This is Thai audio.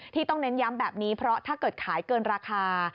ต้องเน้นย้ำแบบนี้เพราะถ้าเกิดขายเกินราคา